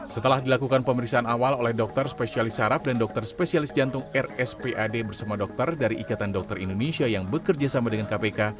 setelah dilakukan pemeriksaan awal oleh dokter spesialis sarap dan dokter spesialis jantung rspad bersama dokter dari ikatan dokter indonesia yang bekerja sama dengan kpk